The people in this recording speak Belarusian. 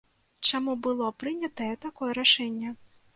Чаму было прынятае такое рашэнне?